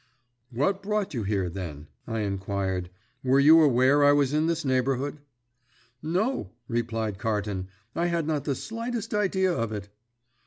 "What brought you here, then?" I inquired. "Were you aware I was in this neighbourhood?" "No," replied Carton, "I had not the slightest idea of it."